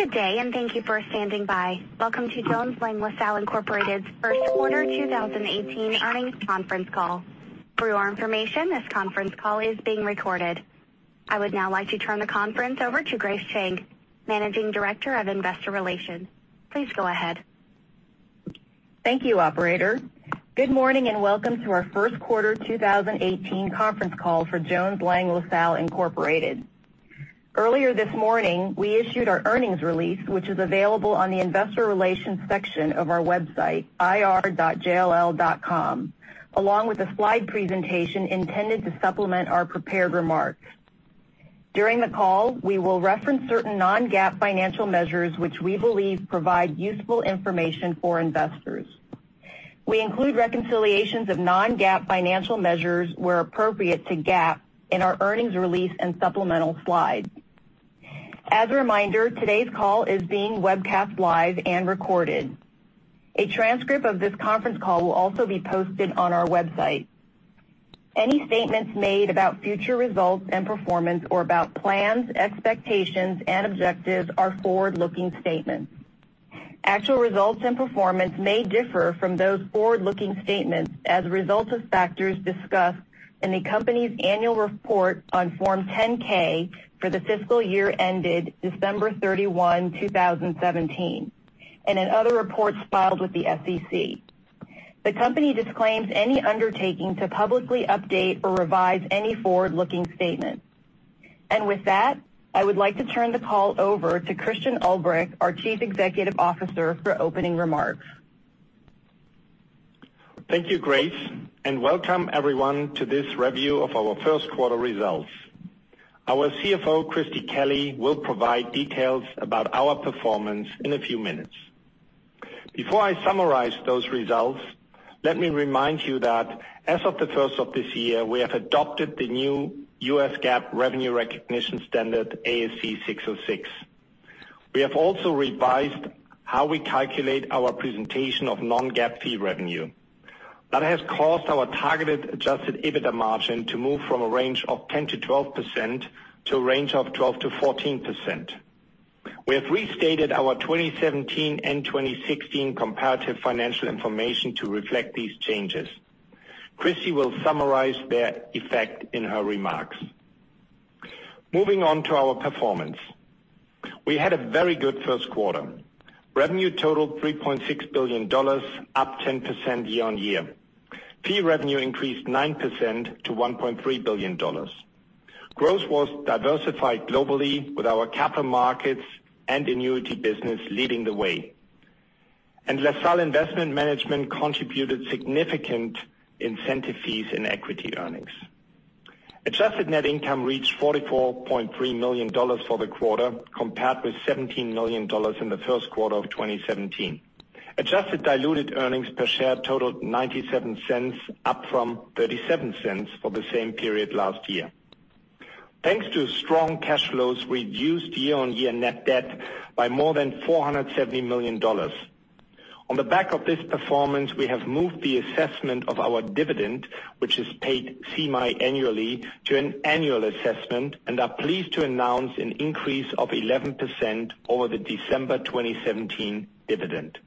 Good day. Thank you for standing by. Welcome to Jones Lang LaSalle Incorporated's first quarter 2018 earnings conference call. For your information, this conference call is being recorded. I would now like to turn the conference over to Grace Chang, Managing Director of Investor Relations. Please go ahead. Thank you, operator. Good morning. Welcome to our first quarter 2018 conference call for Jones Lang LaSalle Incorporated. Earlier this morning, we issued our earnings release, which is available on the investor relations section of our website, ir.jll.com, along with a slide presentation intended to supplement our prepared remarks. During the call, we will reference certain non-GAAP financial measures which we believe provide useful information for investors. We include reconciliations of non-GAAP financial measures where appropriate to GAAP in our earnings release and supplemental slides. As a reminder, today's call is being webcast live and recorded. A transcript of this conference call will also be posted on our website. Any statements made about future results and performance or about plans, expectations, and objectives are forward-looking statements. Actual results and performance may differ from those forward-looking statements as a result of factors discussed in the company's annual report on Form 10-K for the fiscal year ended December 31, 2017, and in other reports filed with the SEC. The company disclaims any undertaking to publicly update or revise any forward-looking statements. With that, I would like to turn the call over to Christian Ulbrich, our Chief Executive Officer, for opening remarks. Thank you, Grace. Welcome everyone to this review of our first quarter results. Our CFO, Christie Kelly, will provide details about our performance in a few minutes. Before I summarize those results, let me remind you that as of the first of this year, we have adopted the new U.S. GAAP revenue recognition standard, ASC 606. We have also revised how we calculate our presentation of non-GAAP fee revenue. That has caused our targeted adjusted EBITDA margin to move from a range of 10%-12% to a range of 12%-14%. We have restated our 2017 and 2016 comparative financial information to reflect these changes. Christie will summarize their effect in her remarks. Moving on to our performance. We had a very good first quarter. Revenue totaled $3.6 billion, up 10% year-over-year. Fee revenue increased 9% to $1.3 billion. Growth was diversified globally, with our capital markets and annuity business leading the way. LaSalle Investment Management contributed significant incentive fees in equity earnings. Adjusted net income reached $44.3 million for the quarter, compared with $17 million in the first quarter of 2017. Adjusted diluted earnings per share totaled $0.97, up from $0.37 for the same period last year. Thanks to strong cash flows, we reduced year-on-year net debt by more than $470 million. On the back of this performance, we have moved the assessment of our dividend, which is paid semiannually, to an annual assessment and are pleased to announce an increase of 11% over the December 2017 dividend.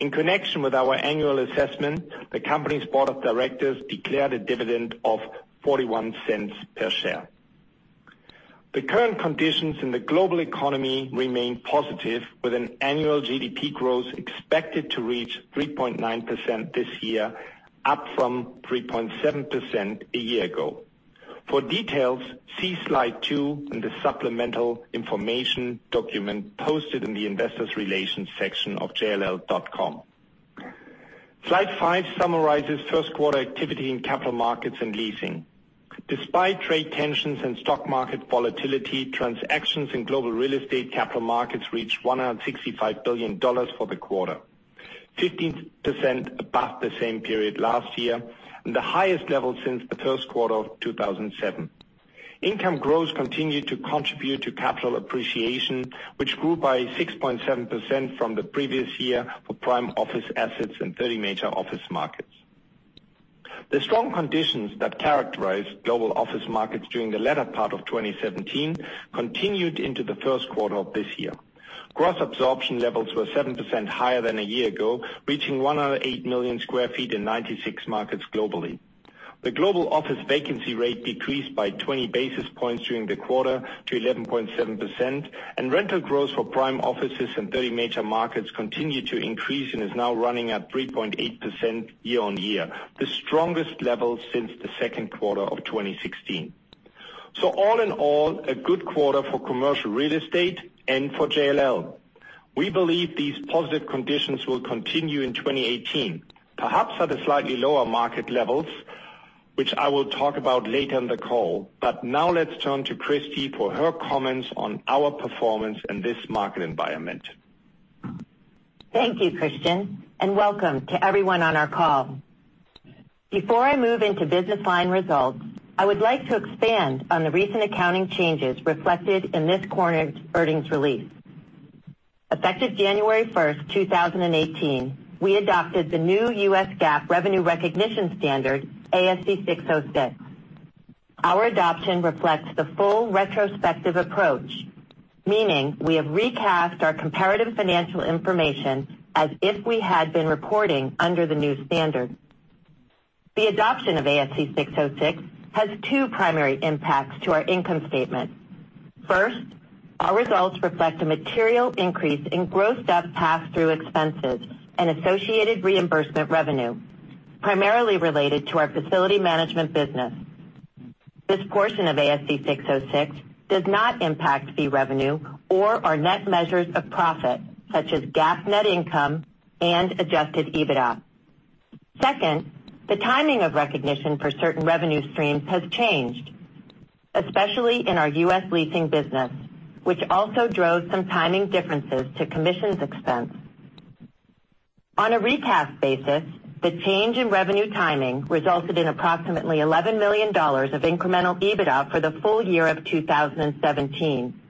In connection with our annual assessment, the company's board of directors declared a dividend of $0.41 per share. The current conditions in the global economy remain positive, with an annual GDP growth expected to reach 3.9% this year, up from 3.7% a year ago. For details, see slide two in the supplemental information document posted in the investor relations section of jll.com. Slide five summarizes first quarter activity in capital markets and leasing. Despite trade tensions and stock market volatility, transactions in global real estate capital markets reached $165 billion for the quarter, 15% above the same period last year and the highest level since the first quarter of 2007. Income growth continued to contribute to capital appreciation, which grew by 6.7% from the previous year for prime office assets in 30 major office markets. The strong conditions that characterized global office markets during the latter part of 2017 continued into the first quarter of this year. Gross absorption levels were 7% higher than a year ago, reaching 108 million square feet in 96 markets globally. The global office vacancy rate decreased by 20 basis points during the quarter to 11.7%, and rental growth for prime offices in 30 major markets continued to increase and is now running at 3.8% year-on-year, the strongest level since the second quarter of 2016. All in all, a good quarter for commercial real estate and for JLL. We believe these positive conditions will continue in 2018, perhaps at a slightly lower market levels, which I will talk about later in the call. Now let's turn to Christie for her comments on our performance in this market environment. Thank you, Christian, and welcome to everyone on our call. Before I move into business line results, I would like to expand on the recent accounting changes reflected in this quarter's earnings release. Effective January 1st, 2018, we adopted the new U.S. GAAP revenue recognition standard, ASC 606. Our adoption reflects the full retrospective approach, meaning we have recast our comparative financial information as if we had been reporting under the new standard. The adoption of ASC 606 has two primary impacts to our income statement. First, our results reflect a material increase in grossed-up pass-through expenses and associated reimbursement revenue, primarily related to our facility management business. This portion of ASC 606 does not impact fee revenue or our net measures of profit, such as GAAP net income and adjusted EBITDA. Second, the timing of recognition for certain revenue streams has changed, especially in our U.S. leasing business, which also drove some timing differences to commissions expense. On a recast basis, the change in revenue timing resulted in approximately $11 million of incremental EBITDA for the full year of 2017,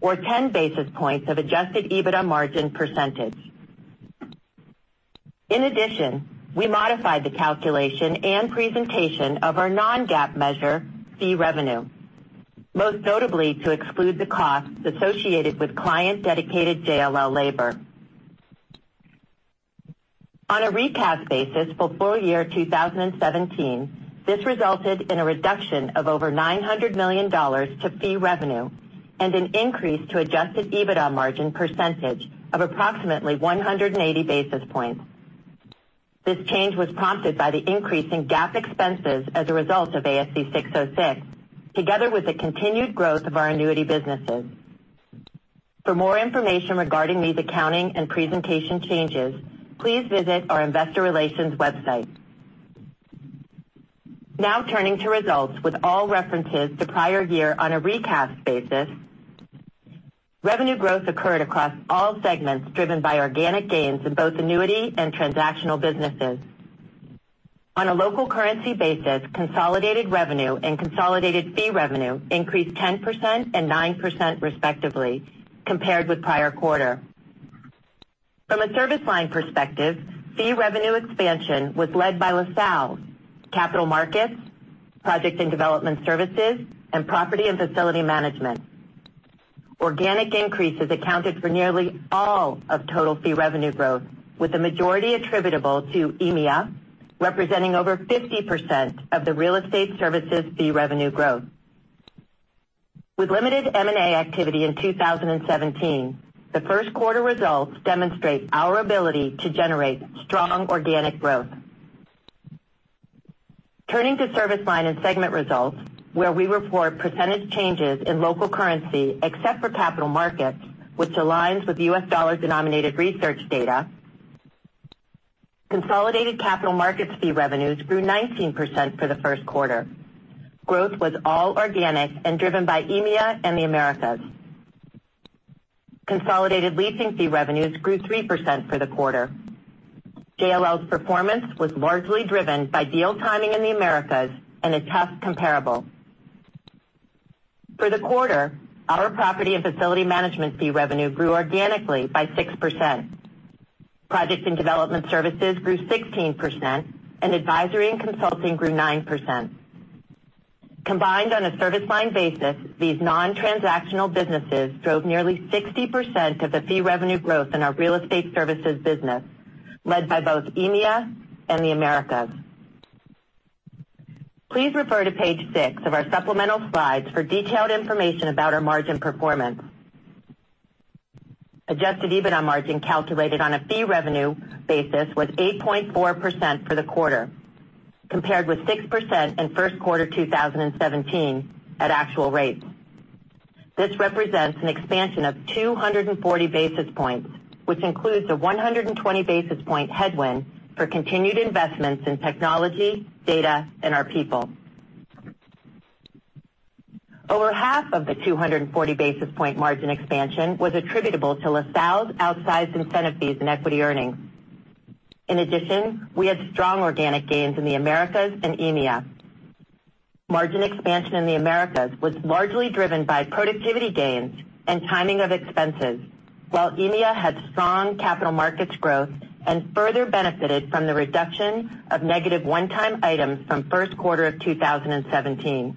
or 10 basis points of adjusted EBITDA margin percentage. In addition, we modified the calculation and presentation of our non-GAAP measure, fee revenue, most notably to exclude the costs associated with client-dedicated JLL labor. On a recast basis for full year 2017, this resulted in a reduction of over $900 million to fee revenue and an increase to adjusted EBITDA margin percentage of approximately 180 basis points. This change was prompted by the increase in GAAP expenses as a result of ASC 606, together with the continued growth of our annuity businesses. For more information regarding these accounting and presentation changes, please visit our investor relations website. Turning to results with all references to prior year on a recast basis. Revenue growth occurred across all segments, driven by organic gains in both annuity and transactional businesses. On a local currency basis, consolidated revenue and consolidated fee revenue increased 10% and 9% respectively compared with prior quarter. From a service line perspective, fee revenue expansion was led by LaSalle, Capital Markets, Project and Development Services, and Property and Facility Management. Organic increases accounted for nearly all of total fee revenue growth, with the majority attributable to EMEA, representing over 50% of the real estate services fee revenue growth. With limited M&A activity in 2017, the first quarter results demonstrate our ability to generate strong organic growth. Turning to service line and segment results, where we report percentage changes in local currency except for Capital Markets, which aligns with U.S. dollar-denominated research data. Consolidated Capital Markets fee revenues grew 19% for the first quarter. Growth was all organic and driven by EMEA and the Americas. Consolidated leasing fee revenues grew 3% for the quarter. JLL's performance was largely driven by deal timing in the Americas and a tough comparable. For the quarter, our Property and Facility Management fee revenue grew organically by 6%. Project and Development Services grew 16%, and Advisory and Consulting grew 9%. Combined on a service line basis, these non-transactional businesses drove nearly 60% of the fee revenue growth in our real estate services business, led by both EMEA and the Americas. Please refer to page six of our supplemental slides for detailed information about our margin performance. Adjusted EBITDA margin calculated on a fee revenue basis was 8.4% for the quarter, compared with 6% in first quarter 2017 at actual rates. This represents an expansion of 240 basis points, which includes a 120 basis point headwind for continued investments in technology, data, and our people. Over half of the 240 basis point margin expansion was attributable to LaSalle's outsized incentive fees and equity earnings. In addition, we had strong organic gains in the Americas and EMEA. Margin expansion in the Americas was largely driven by productivity gains and timing of expenses, while EMEA had strong Capital Markets growth and further benefited from the reduction of negative one-time items from first quarter of 2017.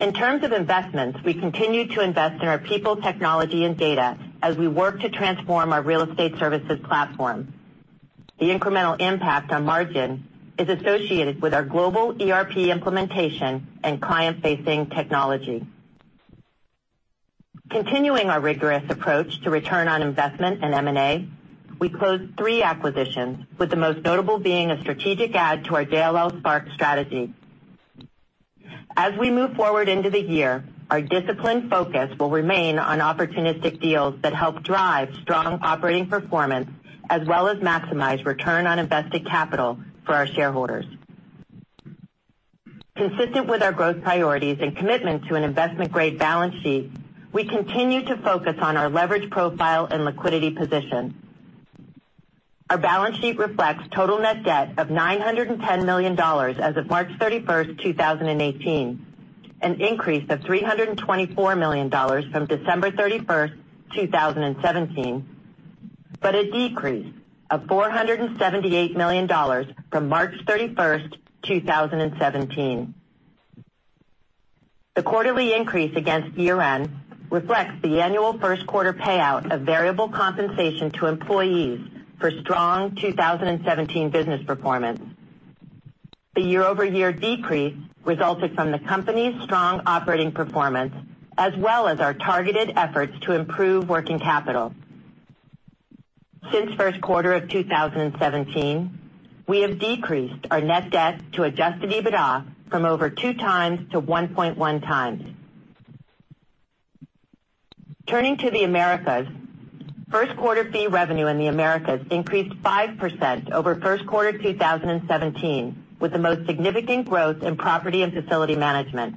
In terms of investments, we continue to invest in our people, technology and data as we work to transform our real estate services platform. The incremental impact on margin is associated with our global ERP implementation and client-facing technology. Continuing our rigorous approach to return on investment and M&A, we closed 3 acquisitions, with the most notable being a strategic add to our JLL Spark strategy. As we move forward into the year, our disciplined focus will remain on opportunistic deals that help drive strong operating performance, as well as maximize return on invested capital for our shareholders. Consistent with our growth priorities and commitment to an investment-grade balance sheet, we continue to focus on our leverage profile and liquidity position. Our balance sheet reflects total net debt of $910 million as of March 31st, 2018, an increase of $324 million from December 31st, 2017. A decrease of $478 million from March 31st, 2017. The quarterly increase against year-end reflects the annual first quarter payout of variable compensation to employees for strong 2017 business performance. The year-over-year decrease resulted from the company's strong operating performance, as well as our targeted efforts to improve working capital. Since first quarter of 2017, we have decreased our net debt to adjusted EBITDA from over 2 times to 1.1 times. Turning to the Americas. First quarter fee revenue in the Americas increased 5% over first quarter 2017, with the most significant growth in property and facility management.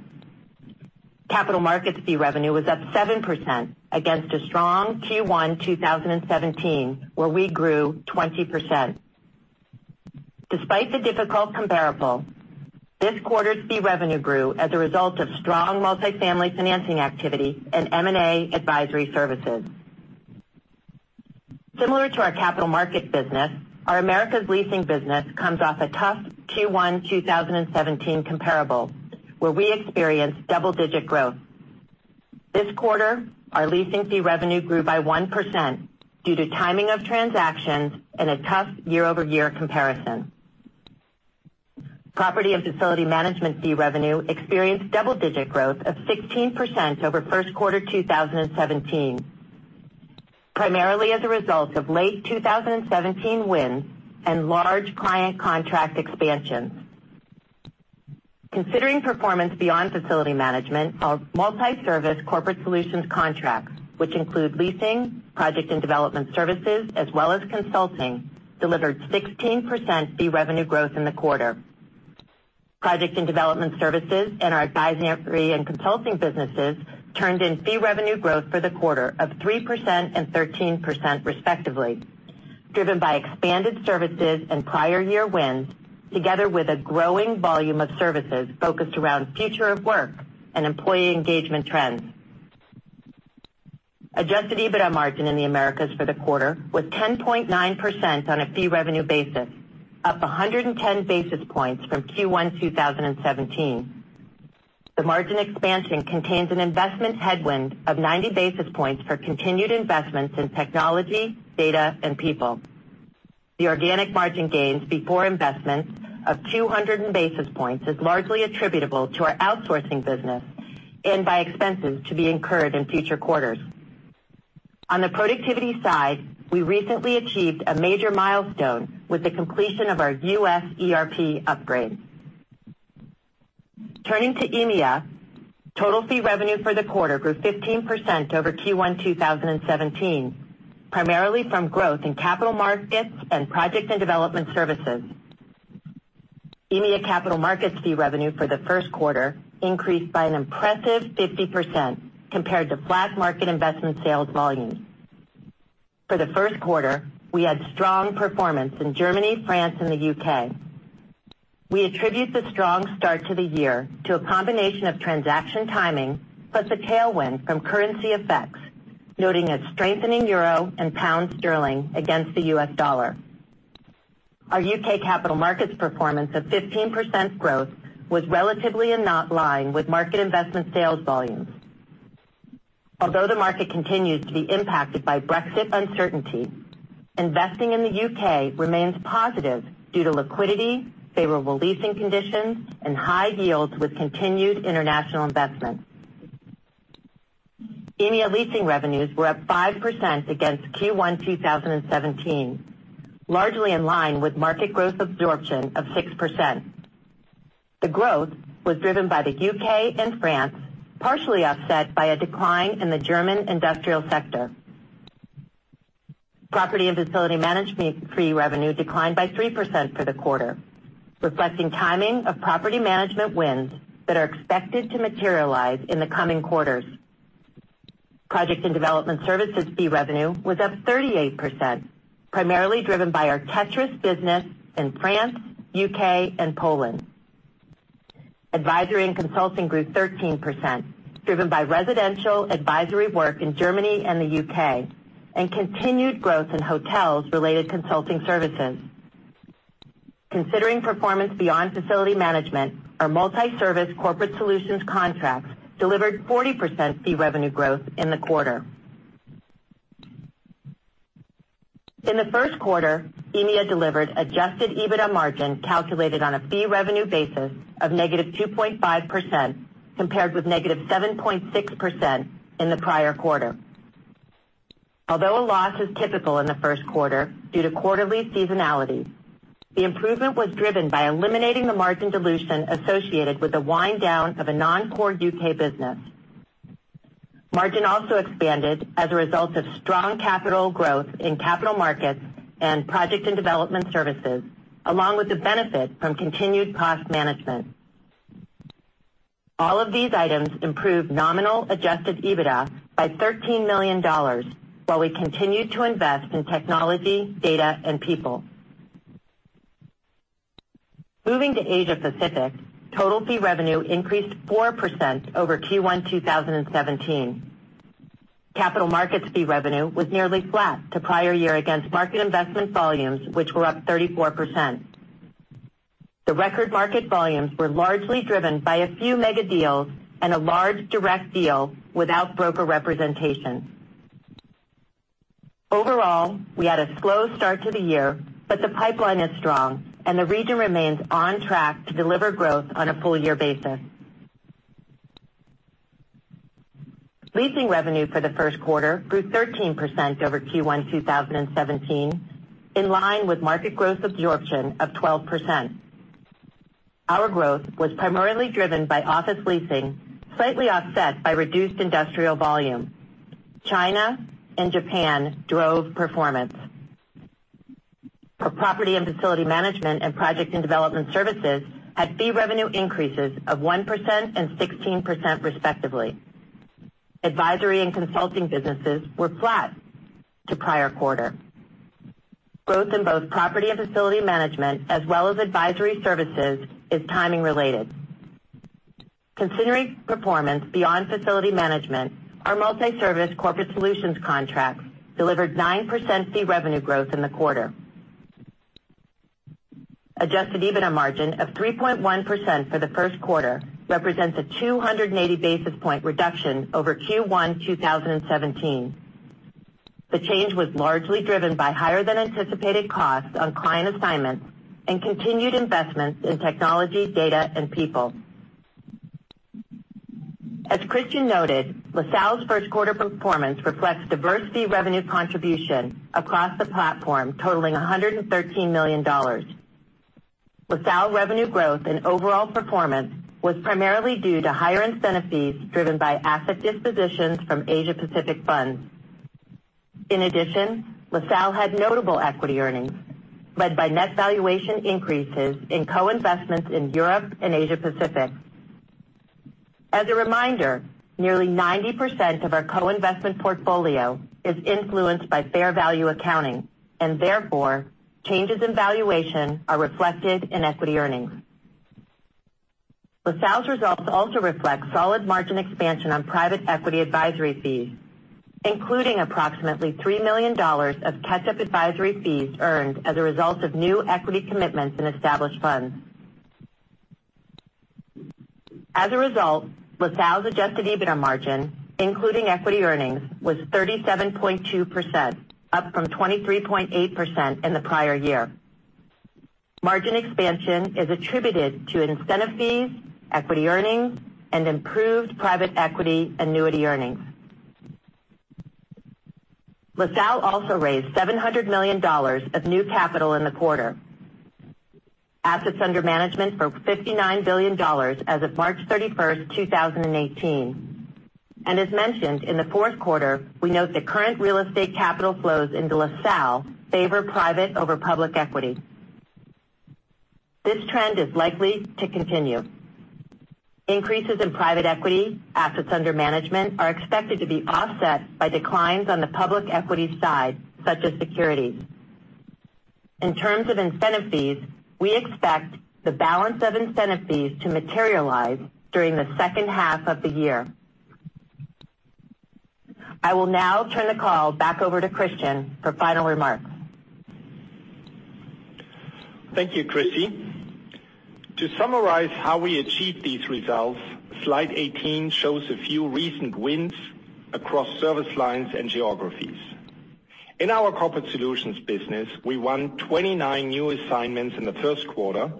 Capital markets fee revenue was up 7% against a strong Q1 2017, where we grew 20%. Despite the difficult comparable, this quarter's fee revenue grew as a result of strong multifamily financing activity and M&A advisory services. Similar to our capital market business, our Americas leasing business comes off a tough Q1 2017 comparable, where we experienced double-digit growth. This quarter, our leasing fee revenue grew by 1% due to timing of transactions and a tough year-over-year comparison. Property and facility management fee revenue experienced double-digit growth of 16% over first quarter 2017, primarily as a result of late 2017 wins and large client contract expansions. Considering performance beyond facility management, our multi-service corporate solutions contracts, which include leasing, project and development services, as well as consulting, delivered 16% fee revenue growth in the quarter. Project and development services and our advisory and consulting businesses turned in fee revenue growth for the quarter of 3% and 13% respectively, driven by expanded services and prior year wins, together with a growing volume of services focused around future of work and employee engagement trends. Adjusted EBITDA margin in the Americas for the quarter was 10.9% on a fee revenue basis, up 110 basis points from Q1 2017. The margin expansion contains an investment headwind of 90 basis points for continued investments in technology, data, and people. The organic margin gains before investments of 200 basis points is largely attributable to our outsourcing business and by expenses to be incurred in future quarters. On the productivity side, we recently achieved a major milestone with the completion of our U.S. ERP upgrade. Turning to EMEA. Total fee revenue for the quarter grew 15% over Q1 2017, primarily from growth in capital markets and project and development services. EMEA capital markets fee revenue for the first quarter increased by an impressive 50%, compared to flat market investment sales volume. For the first quarter, we had strong performance in Germany, France, and the U.K. We attribute the strong start to the year to a combination of transaction timing, plus a tailwind from currency effects, noting a strengthening euro and pound sterling against the U.S. dollar. Our U.K. capital markets performance of 15% growth was relatively in line with market investment sales volumes. Although the market continues to be impacted by Brexit uncertainty, investing in the U.K. remains positive due to liquidity, favorable leasing conditions, and high yields with continued international investment. EMEA leasing revenues were up 5% against Q1 2017, largely in line with market growth absorption of 6%. The growth was driven by the U.K. and France, partially offset by a decline in the German industrial sector. Property and facility management fee revenue declined by 3% for the quarter, reflecting timing of property management wins that are expected to materialize in the coming quarters. Project and development services fee revenue was up 38%, primarily driven by our Tétris business in France, U.K., and Poland. Advisory and consulting grew 13%, driven by residential advisory work in Germany and the U.K., and continued growth in hotels related consulting services. Considering performance beyond facility management, our multi-service corporate solutions contracts delivered 40% fee revenue growth in the quarter. In the first quarter, EMEA delivered adjusted EBITDA margin calculated on a fee revenue basis of -2.5%, compared with -7.6% in the prior quarter. Although a loss is typical in the first quarter due to quarterly seasonality, the improvement was driven by eliminating the margin dilution associated with the wind down of a non-core U.K. business. Margin also expanded as a result of strong capital growth in capital markets and project and development services, along with the benefit from continued cost management. All of these items improved nominal adjusted EBITDA by $13 million while we continued to invest in technology, data, and people. Moving to Asia Pacific, total fee revenue increased 4% over Q1 2017. Capital markets fee revenue was nearly flat to prior year against market investment volumes, which were up 34%. The record market volumes were largely driven by a few mega deals and a large direct deal without broker representation. Overall, we had a slow start to the year, but the pipeline is strong, and the region remains on track to deliver growth on a full-year basis. Leasing revenue for the first quarter grew 13% over Q1 2017, in line with market growth absorption of 12%. Our growth was primarily driven by office leasing, slightly offset by reduced industrial volume. China and Japan drove performance. Our property and facility management and project and development services had fee revenue increases of 1% and 16% respectively. Advisory and consulting businesses were flat to prior quarter. Growth in both property and facility management as well as advisory services is timing related. Considering performance beyond facility management, our multi-service corporate solutions contracts delivered 9% fee revenue growth in the quarter. Adjusted EBITDA margin of 3.1% for the first quarter represents a 280-basis point reduction over Q1 2017. The change was largely driven by higher than anticipated costs on client assignments and continued investments in technology, data, and people. As Christian noted, LaSalle's first quarter performance reflects diverse fee revenue contribution across the platform totaling $113 million. LaSalle revenue growth and overall performance was primarily due to higher incentive fees driven by asset dispositions from Asia Pacific funds. In addition, LaSalle had notable equity earnings led by net valuation increases in co-investments in Europe and Asia Pacific. As a reminder, nearly 90% of our co-investment portfolio is influenced by fair value accounting, and therefore, changes in valuation are reflected in equity earnings. LaSalle's results also reflect solid margin expansion on private equity advisory fees, including approximately $3 million of catch-up advisory fees earned as a result of new equity commitments in established funds. As a result, LaSalle's adjusted EBITDA margin, including equity earnings, was 37.2%, up from 23.8% in the prior year. Margin expansion is attributed to incentive fees, equity earnings, and improved private equity annuity earnings. LaSalle also raised $700 million of new capital in the quarter. Assets under management for $59 billion as of March 31st, 2018. As mentioned in the fourth quarter, we note the current real estate capital flows into LaSalle favor private over public equity. This trend is likely to continue. Increases in private equity assets under management are expected to be offset by declines on the public equity side, such as securities. In terms of incentive fees, we expect the balance of incentive fees to materialize during the second half of the year. I will now turn the call back over to Christian for final remarks. Thank you, Christie. To summarize how we achieved these results, slide 18 shows a few recent wins across service lines and geographies. In our corporate solutions business, we won 29 new assignments in the first quarter,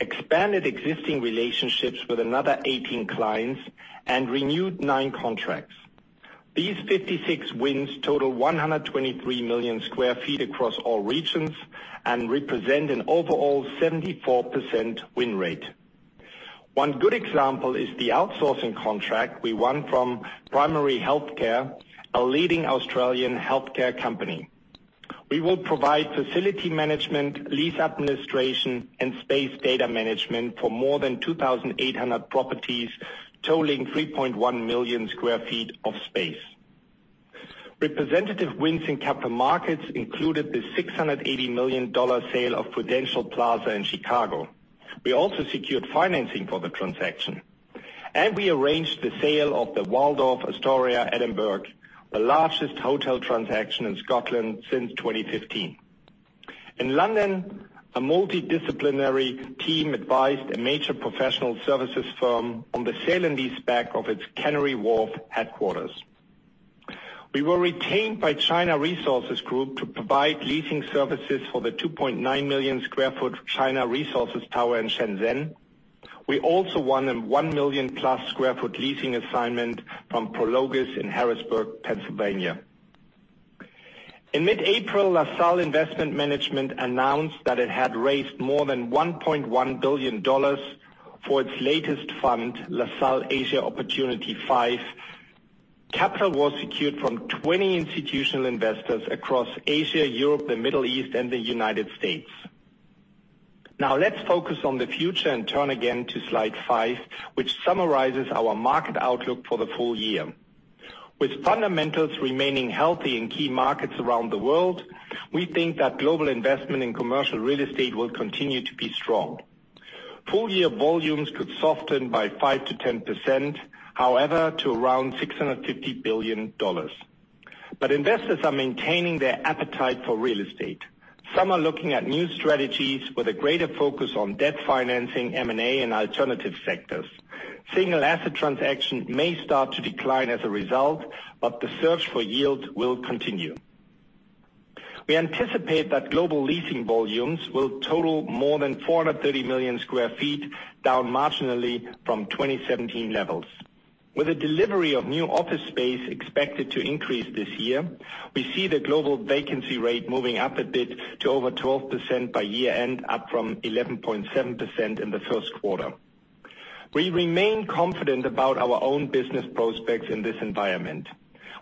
expanded existing relationships with another 18 clients, and renewed nine contracts. These 56 wins total 123 million square feet across all regions and represent an overall 74% win rate. One good example is the outsourcing contract we won from Primary Health Care, a leading Australian healthcare company. We will provide facility management, lease administration, and space data management for more than 2,800 properties totaling 3.1 million square feet of space. Representative wins in capital markets included the $680 million sale of Prudential Plaza in Chicago. We also secured financing for the transaction, and we arranged the sale of the Waldorf Astoria Edinburgh, the largest hotel transaction in Scotland since 2015. In London, a multidisciplinary team advised a major professional services firm on the sale and leaseback of its Canary Wharf headquarters. We were retained by China Resources Group to provide leasing services for the 2.9 million square foot China Resources Tower in Shenzhen. We also won a one-million-plus square foot leasing assignment from Prologis in Harrisburg, Pennsylvania. In mid-April, LaSalle Investment Management announced that it had raised more than $1.1 billion for its latest fund, LaSalle Asia Opportunity V. Capital was secured from 20 institutional investors across Asia, Europe, the Middle East, and the United States. Let's focus on the future and turn again to slide five, which summarizes our market outlook for the full year. With fundamentals remaining healthy in key markets around the world, we think that global investment in commercial real estate will continue to be strong. Full year volumes could soften by 5%-10%, however, to around $650 billion. Investors are maintaining their appetite for real estate. Some are looking at new strategies with a greater focus on debt financing, M&A, and alternative sectors. Single asset transaction may start to decline as a result, but the search for yield will continue. We anticipate that global leasing volumes will total more than 430 million sq ft, down marginally from 2017 levels. With the delivery of new office space expected to increase this year, we see the global vacancy rate moving up a bit to over 12% by year-end, up from 11.7% in the first quarter. We remain confident about our own business prospects in this environment.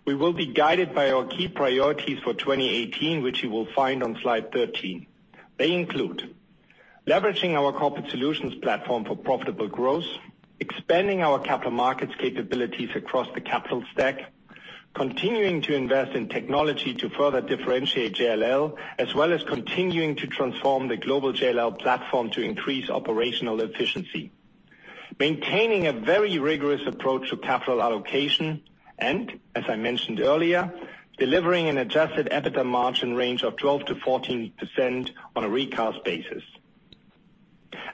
We will be guided by our key priorities for 2018, which you will find on slide 13. They include leveraging our corporate solutions platform for profitable growth, expanding our capital markets capabilities across the capital stack, continuing to invest in technology to further differentiate JLL, as well as continuing to transform the global JLL platform to increase operational efficiency. Maintaining a very rigorous approach to capital allocation, and as I mentioned earlier, delivering an adjusted EBITDA margin range of 12%-14% on a recast basis.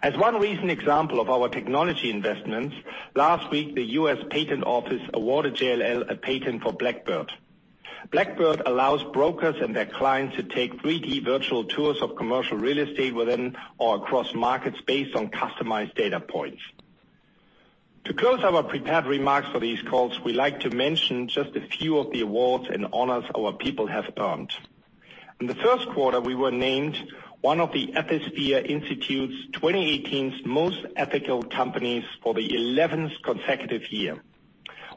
As one recent example of our technology investments, last week, the U.S. Patent Office awarded JLL a patent for Blackbird. Blackbird allows brokers and their clients to take 3D virtual tours of commercial real estate within or across markets based on customized data points. To close our prepared remarks for these calls, we like to mention just a few of the awards and honors our people have earned. In the first quarter, we were named one of the Ethisphere Institute's 2018's Most Ethical Companies for the 11th consecutive year,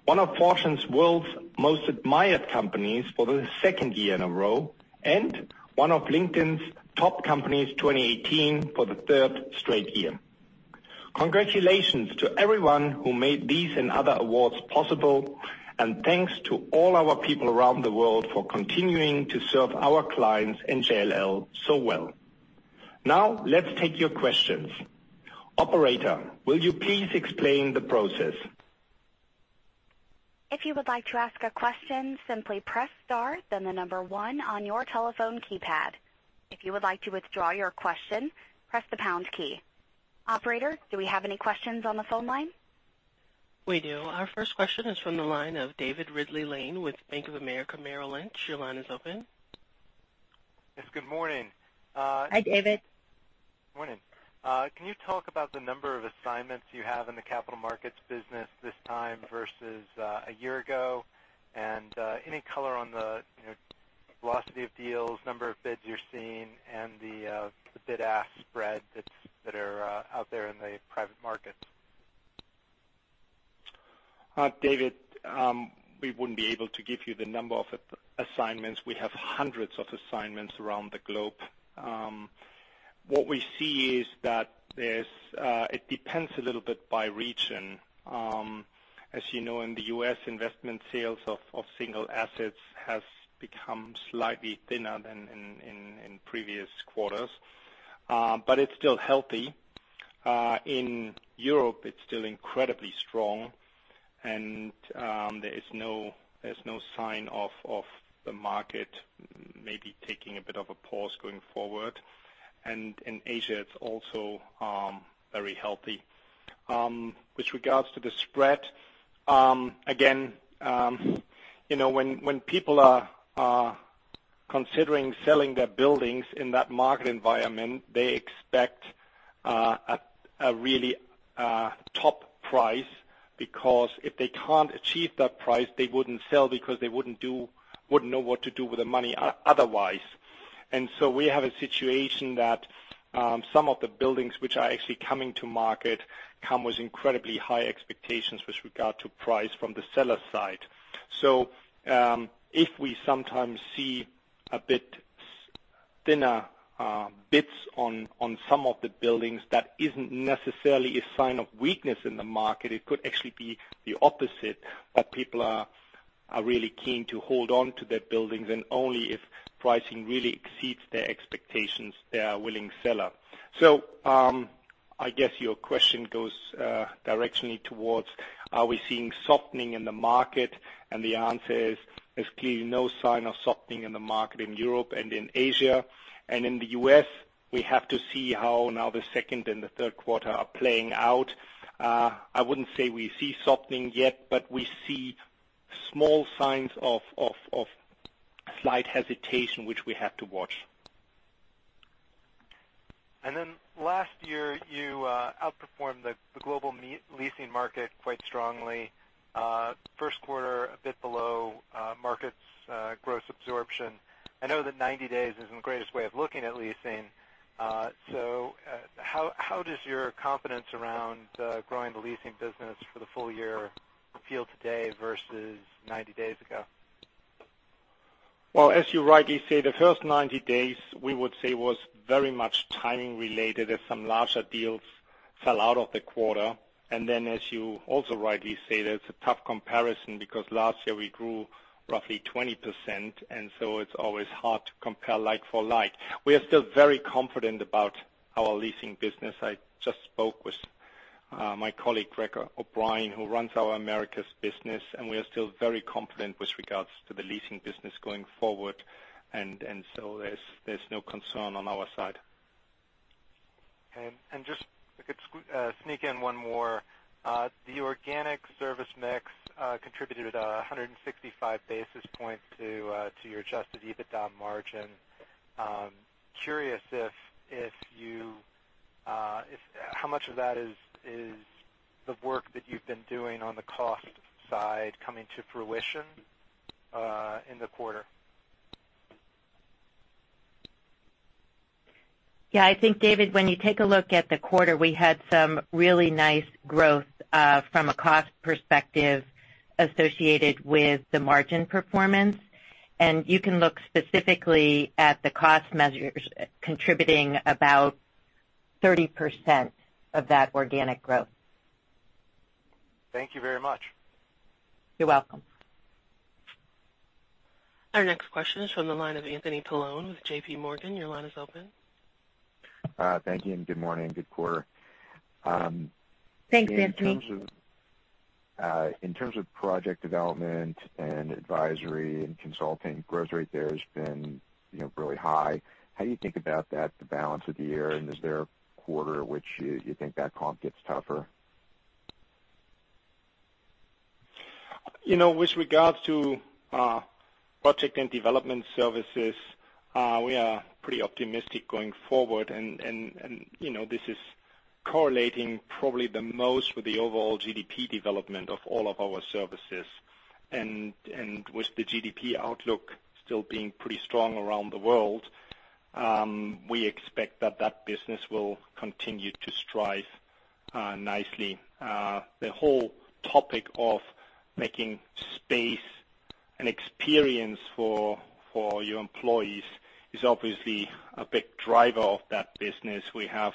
one of Fortune's World's Most Admired Companies for the second year in a row, and one of LinkedIn's Top Companies 2018 for the third straight year. Congratulations to everyone who made these and other awards possible, and thanks to all our people around the world for continuing to serve our clients and JLL so well. Let's take your questions. Operator, will you please explain the process? If you would like to ask a question, simply press star, then the number one on your telephone keypad. If you would like to withdraw your question, press the pound key. Operator, do we have any questions on the phone line? We do. Our first question is from the line of David Ridley-Lane with Bank of America Merrill Lynch. Your line is open. Yes, good morning. Hi, David. Morning. Can you talk about the number of assignments you have in the capital markets business this time versus a year ago? Any color on the velocity of deals, number of bids you're seeing, and the bid-ask spread that are out there in the private markets. David, we wouldn't be able to give you the number of assignments. We have hundreds of assignments around the globe. What we see is that it depends a little bit by region. As you know, in the U.S., investment sales of single assets has become slightly thinner than in previous quarters. It's still healthy. In Europe, it's still incredibly strong, and there is no sign of the market maybe taking a bit of a pause going forward. In Asia, it's also very healthy. With regards to the spread, again, when people are considering selling their buildings in that market environment, they expect a really top price, because if they can't achieve that price, they wouldn't sell because they wouldn't know what to do with the money otherwise. We have a situation that some of the buildings which are actually coming to market come with incredibly high expectations with regard to price from the seller side. If we sometimes see a bit thinner bids on some of the buildings, that isn't necessarily a sign of weakness in the market. It could actually be the opposite, that people are really keen to hold on to their buildings, and only if pricing really exceeds their expectations, they are a willing seller. I guess your question goes directionally towards, are we seeing softening in the market? The answer is, there's clearly no sign of softening in the market in Europe and in Asia. In the U.S., we have to see how now the second and the third quarter are playing out. I wouldn't say we see softening yet. We see small signs of slight hesitation, which we have to watch. Last year, you outperformed the global leasing market quite strongly. First quarter, a bit below markets gross absorption. I know that 90 days isn't the greatest way of looking at leasing. How does your confidence around growing the leasing business for the full year feel today versus 90 days ago? Well, as you rightly say, the first 90 days, we would say, was very much timing related as some larger deals fell out of the quarter. As you also rightly say, that's a tough comparison because last year we grew roughly 20%, and so it's always hard to compare like for like. We are still very confident about our leasing business. I just spoke with my colleague, Greg O'Brien, who runs our Americas business, and we are still very confident with regards to the leasing business going forward. There's no concern on our side. Okay. Just if I could sneak in one more. The organic service mix contributed 165 basis points to your adjusted EBITDA margin. Curious how much of that is the work that you've been doing on the cost side coming to fruition in the quarter? Yeah, I think, David, when you take a look at the quarter, we had some really nice growth from a cost perspective associated with the margin performance. You can look specifically at the cost measures contributing about 30% of that organic growth. Thank you very much. You're welcome. Our next question is from the line of Anthony Paolone with JPMorgan. Your line is open. Thank you. Good morning. Good quarter. Thanks, Anthony. In terms of project development and advisory and consulting, growth rate there has been really high. How do you think about that, the balance of the year, and is there a quarter which you think that comp gets tougher? With regards to project and development services, we are pretty optimistic going forward. This is correlating probably the most with the overall GDP development of all of our services. With the GDP outlook still being pretty strong around the world, we expect that that business will continue to strive nicely. The whole topic of making space an experience for your employees is obviously a big driver of that business. We have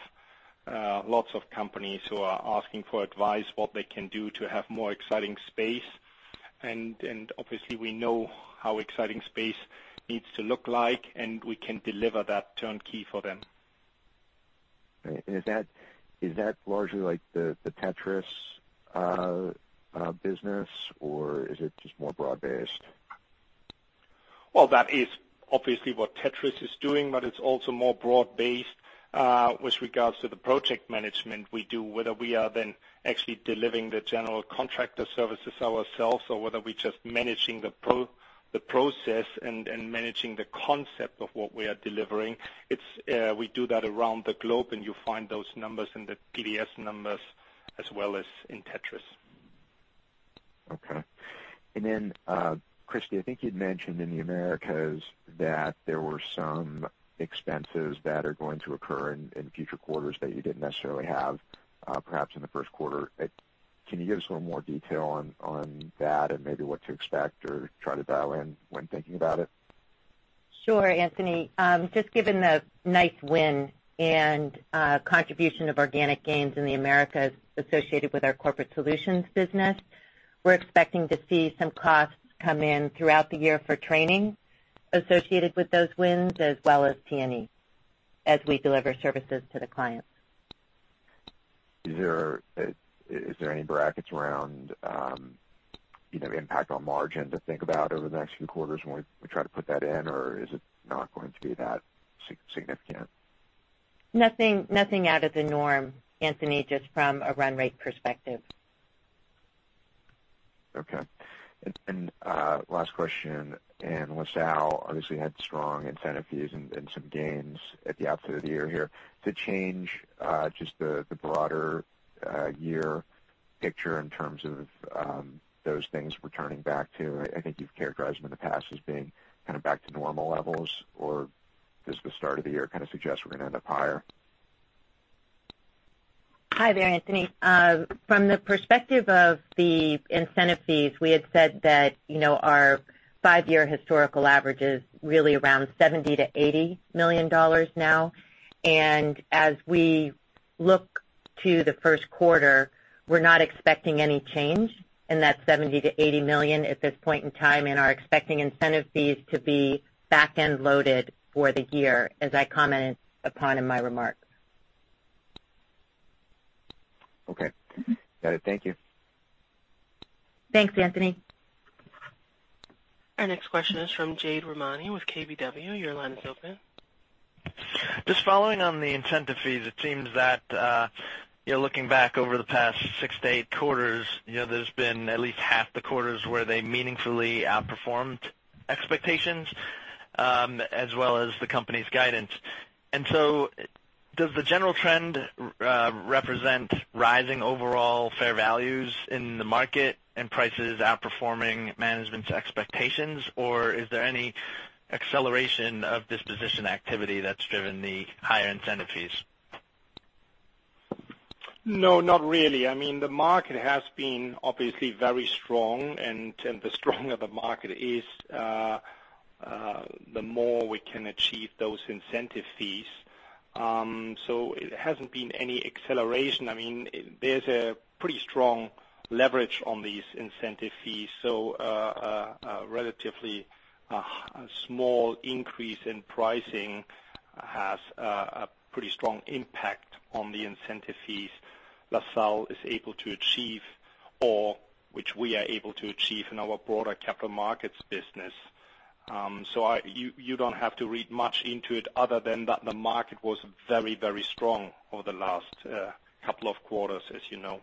lots of companies who are asking for advice, what they can do to have more exciting space. Obviously we know how exciting space needs to look like, and we can deliver that turnkey for them. Is that largely the Tétris business or is it just more broad-based? Well, that is obviously what Tétris is doing, but it's also more broad-based with regards to the project management we do, whether we are then actually delivering the general contractor services ourselves or whether we're just managing the process and managing the concept of what we are delivering. We do that around the globe, and you'll find those numbers in the PDS numbers as well as in Tétris. Okay. Christie, I think you'd mentioned in the Americas that there were some expenses that are going to occur in future quarters that you didn't necessarily have, perhaps in the first quarter. Can you give us a little more detail on that and maybe what to expect or try to dial in when thinking about it? Sure, Anthony. Just given the nice win and contribution of organic gains in the Americas associated with our corporate solutions business, we're expecting to see some costs come in throughout the year for training associated with those wins, as well as T&E as we deliver services to the clients. Is there any brackets around impact on margin to think about over the next few quarters when we try to put that in, or is it not going to be that significant? Nothing out of the norm, Anthony, just from a run rate perspective. Okay. Last question. LaSalle obviously had strong incentive fees and some gains at the outset of the year here. To change just the broader year picture in terms of those things returning back to, I think you've characterized them in the past as being kind of back to normal levels, or does the start of the year kind of suggest we're going to end up higher? Hi there, Anthony. From the perspective of the incentive fees, we had said that our five-year historical average is really around $70 million-$80 million now. As we look to the first quarter, we're not expecting any change in that $70 million-$80 million at this point in time, and are expecting incentive fees to be back-end loaded for the year, as I commented upon in my remarks. Okay. Got it. Thank you. Thanks, Anthony. Our next question is from Jade Rahmani with KBW. Your line is open. Just following on the incentive fees, it seems that, looking back over the past six to eight quarters, there's been at least half the quarters where they meaningfully outperformed expectations as well as the company's guidance. Does the general trend represent rising overall fair values in the market and prices outperforming management's expectations, or is there any acceleration of disposition activity that's driven the higher incentive fees? No, not really. The market has been obviously very strong, and the stronger the market is, the more we can achieve those incentive fees. It hasn't been any acceleration. There's a pretty strong leverage on these incentive fees. Relatively, a small increase in pricing has a pretty strong impact on the incentive fees LaSalle is able to achieve or which we are able to achieve in our broader capital markets business. You don't have to read much into it other than that the market was very strong over the last couple of quarters, as you know.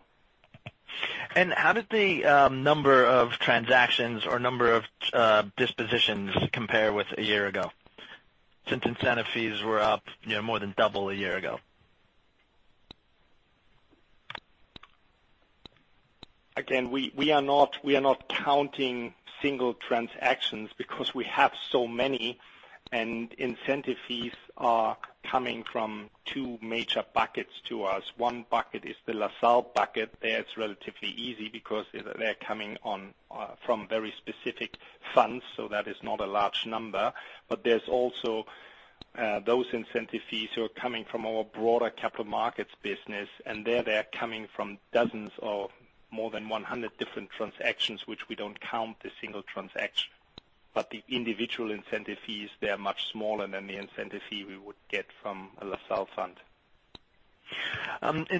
How did the number of transactions or number of dispositions compare with a year ago, since incentive fees were up more than double a year ago? We are not counting single transactions because we have so many, incentive fees are coming from two major buckets to us. One bucket is the LaSalle bucket. There, it's relatively easy because they're coming from very specific funds, so that is not a large number. There's also those incentive fees who are coming from our broader capital markets business. There, they are coming from dozens of more than 100 different transactions, which we don't count the single transaction. The individual incentive fees, they are much smaller than the incentive fee we would get from a LaSalle fund.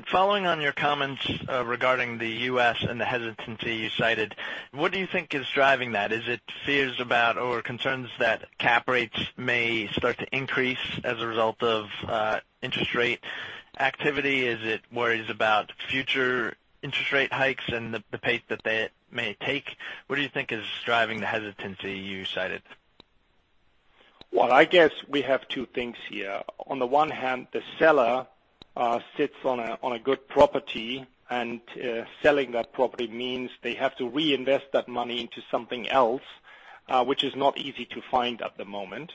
Following on your comments regarding the U.S. and the hesitancy you cited, what do you think is driving that? Is it fears about or concerns that cap rates may start to increase as a result of interest rate activity? Is it worries about future interest rate hikes and the pace that they may take? What do you think is driving the hesitancy you cited? Well, I guess we have two things here. On the one hand, the seller sits on a good property, selling that property means they have to reinvest that money into something else, which is not easy to find at the moment.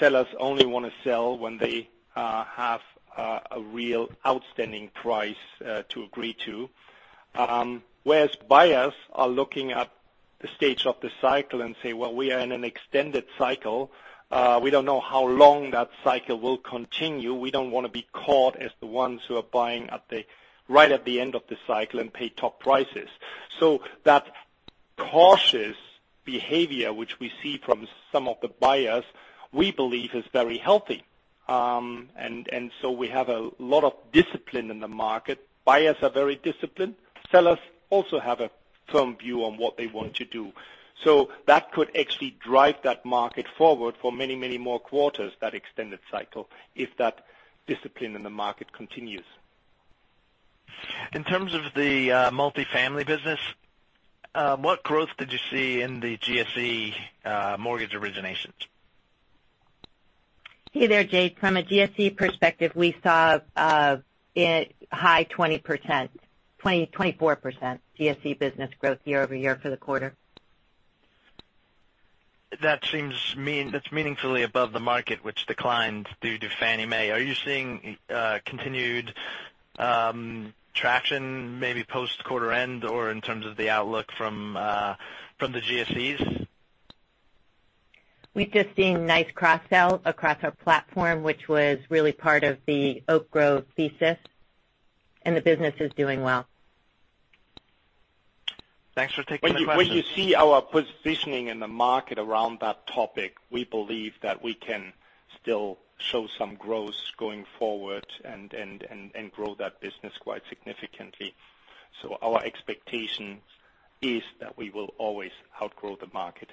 Sellers only want to sell when they have a real outstanding price to agree to. Whereas buyers are looking at the stage of the cycle and say, "Well, we are in an extended cycle. We don't know how long that cycle will continue. We don't want to be caught as the ones who are buying right at the end of the cycle and pay top prices." That cautious behavior, which we see from some of the buyers, we believe is very healthy. We have a lot of discipline in the market. Buyers are very disciplined. Sellers also have a firm view on what they want to do. That could actually drive that market forward for many more quarters, that extended cycle, if that discipline in the market continues. In terms of the multi-family business, what growth did you see in the GSE mortgage originations? Hey there, Jade. From a GSE perspective, we saw a high 20%, 24% GSE business growth year-over-year for the quarter. That's meaningfully above the market, which declined due to Fannie Mae. Are you seeing continued traction, maybe post-quarter end or in terms of the outlook from the GSEs? We've just seen nice cross-sell across our platform, which was really part of the Oak Grove thesis. The business is doing well. Thanks for taking the question. When you see our positioning in the market around that topic, we believe that we can still show some growth going forward and grow that business quite significantly. Our expectation is that we will always outgrow the market.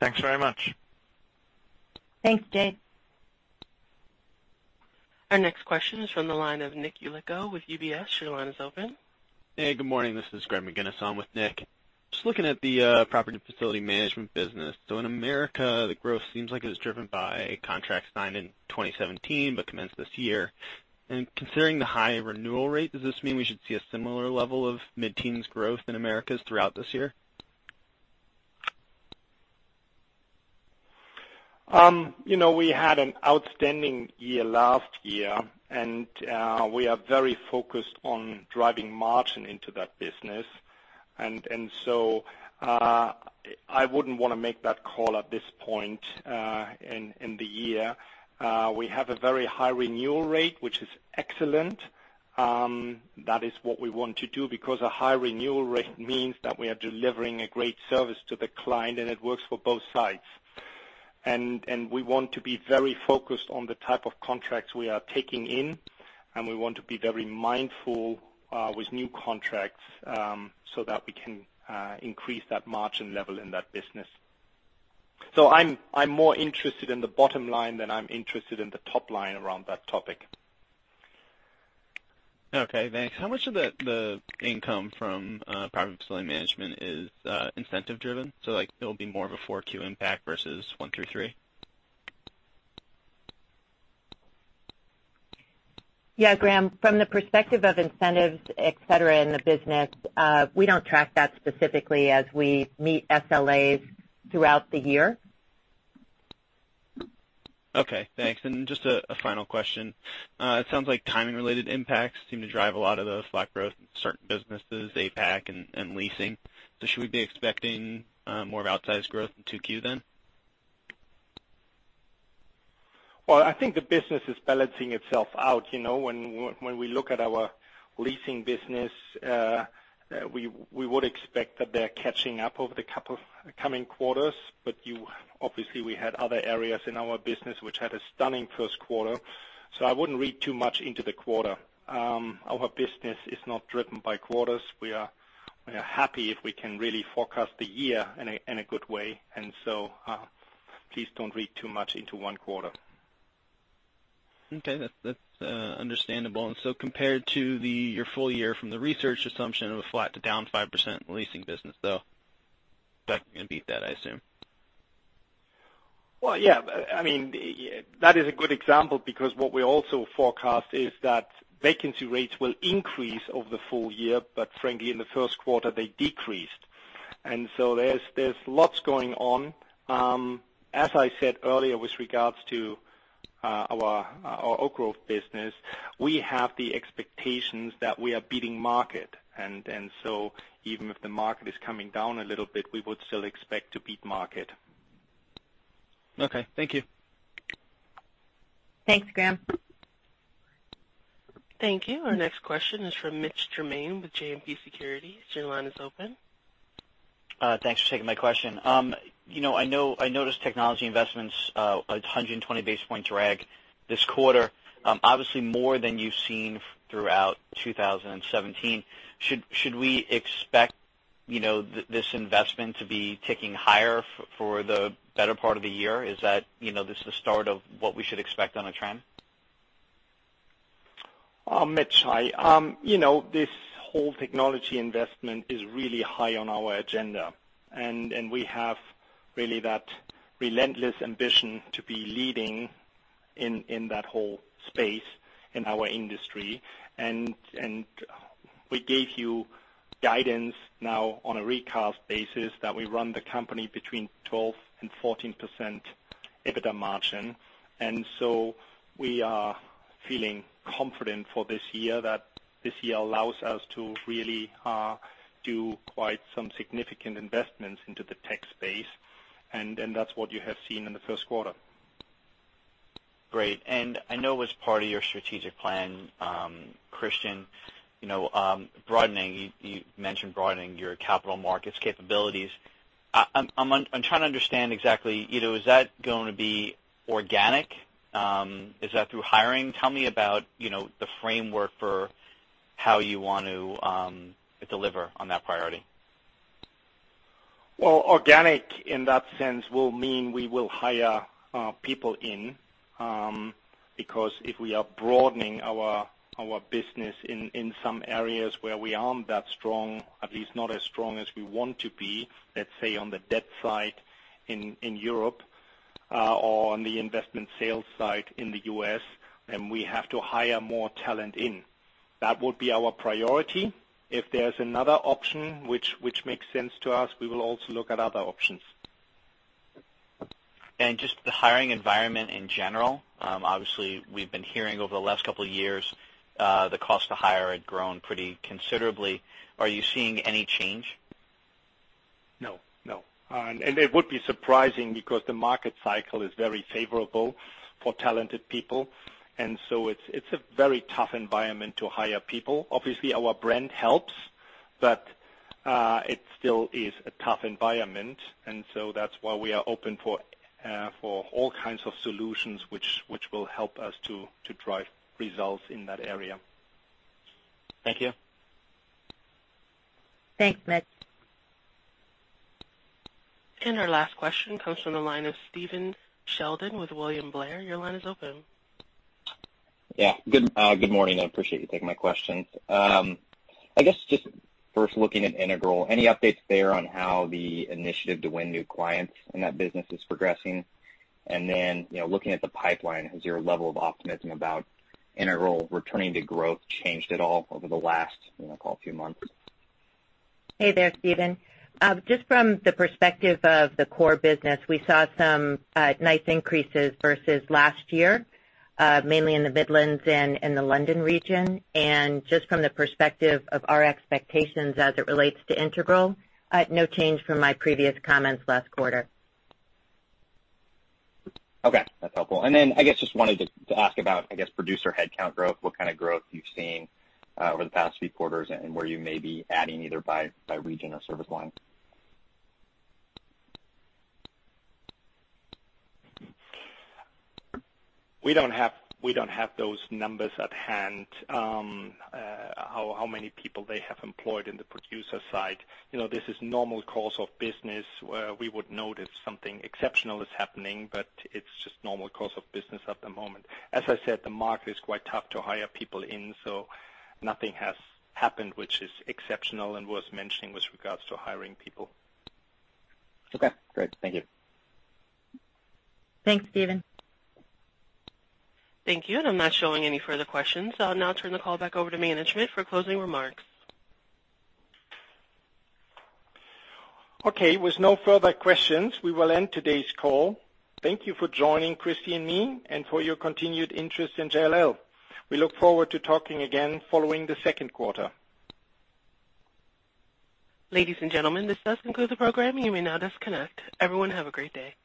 Thanks very much. Thanks, Jade. Our next question is from the line of Nick Yulico with UBS. Your line is open. Hey, good morning. This is Graham McGinnis. I'm with Nick. Just looking at the property facility management business. In Americas, the growth seems like it was driven by contracts signed in 2017 but commenced this year. Considering the high renewal rate, does this mean we should see a similar level of mid-teens growth in Americas throughout this year? We had an outstanding year last year, we are very focused on driving margin into that business. I wouldn't want to make that call at this point in the year. We have a very high renewal rate, which is excellent. That is what we want to do because a high renewal rate means that we are delivering a great service to the client and it works for both sides. We want to be very focused on the type of contracts we are taking in, and we want to be very mindful with new contracts so that we can increase that margin level in that business. I'm more interested in the bottom line than I'm interested in the top line around that topic. Okay, thanks. How much of the income from property facility management is incentive driven? Like it'll be more of a 4Q impact versus one through three. Yeah, Graham, from the perspective of incentives, et cetera, in the business, we don't track that specifically as we meet SLAs throughout the year. Okay, thanks. Just a final question. It sounds like timing related impacts seem to drive a lot of the flat growth in certain businesses, APAC and leasing. Should we be expecting more of outsized growth in 2Q then? Well, I think the business is balancing itself out. When we look at our leasing business, we would expect that they're catching up over the coming quarters. Obviously, we had other areas in our business which had a stunning first quarter. I wouldn't read too much into the quarter. Our business is not driven by quarters. We are happy if we can really forecast the year in a good way. Please don't read too much into one quarter. Okay. That's understandable. Compared to your full year from the research assumption of a flat to down 5% in the leasing business, though, you're going to beat that, I assume. Well, yeah. That is a good example because what we also forecast is that vacancy rates will increase over the full year, but frankly, in the first quarter, they decreased. There's lots going on. As I said earlier with regards to our Oak Grove business, we have the expectations that we are beating market. Even if the market is coming down a little bit, we would still expect to beat market. Okay, thank you. Thanks, Graham. Thank you. Our next question is from Mitch Germain with JMP Securities. Your line is open. Thanks for taking my question. I noticed technology investments, a 120 basis point drag this quarter. Obviously more than you've seen throughout 2017. Should we expect this investment to be ticking higher for the better part of the year? Is this the start of what we should expect on a trend? Mitch, hi. This whole technology investment is really high on our agenda, we have really that relentless ambition to be leading in that whole space in our industry. We gave you guidance now on a recast basis that we run the company between 12% and 14% EBITDA margin. We are feeling confident for this year that this year allows us to really do quite some significant investments into the tech space. That's what you have seen in the first quarter. Great. I know as part of your strategic plan, Christian, you mentioned broadening your capital markets capabilities. I'm trying to understand exactly, is that going to be organic? Is that through hiring? Tell me about the framework for how you want to deliver on that priority. Organic in that sense will mean we will hire people in, because if we are broadening our business in some areas where we aren't that strong, at least not as strong as we want to be, let's say on the debt side in Europe or on the investment sales side in the U.S., then we have to hire more talent in. That would be our priority. If there's another option which makes sense to us, we will also look at other options. Just the hiring environment in general. Obviously, we've been hearing over the last couple of years the cost to hire had grown pretty considerably. Are you seeing any change? No. It would be surprising because the market cycle is very favorable for talented people, it's a very tough environment to hire people. Obviously, our brand helps, but it still is a tough environment, that's why we are open for all kinds of solutions which will help us to drive results in that area. Thank you. Thanks, Mitch. Our last question comes from the line of Stephen Sheldon with William Blair. Your line is open. Yeah. Good morning. I appreciate you taking my questions. I guess just first looking at Integral, any updates there on how the initiative to win new clients in that business is progressing? Then, looking at the pipeline, has your level of optimism about Integral returning to growth changed at all over the last few months? Hey there, Stephen. Just from the perspective of the core business, we saw some nice increases versus last year, mainly in the Midlands and in the London region. Just from the perspective of our expectations as it relates to Integral, no change from my previous comments last quarter. Okay. That's helpful. Then I guess just wanted to ask about, I guess, producer headcount growth, what kind of growth you've seen over the past few quarters, and where you may be adding either by region or service line. We don't have those numbers at hand, how many people they have employed in the producer side. This is normal course of business. We would know if something exceptional is happening. It's just normal course of business at the moment. As I said, the market is quite tough to hire people in. Nothing has happened which is exceptional and worth mentioning with regards to hiring people. Okay, great. Thank you. Thanks, Stephen. Thank you. I'm not showing any further questions. I'll now turn the call back over to management for closing remarks. Okay, with no further questions, we will end today's call. Thank you for joining Christie and me and for your continued interest in JLL. We look forward to talking again following the second quarter. Ladies and gentlemen, this does conclude the program. You may now disconnect. Everyone, have a great day.